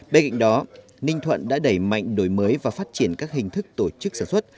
bên cạnh đó ninh thuận đã đẩy mạnh đổi mới và phát triển các hình thức tổ chức sản xuất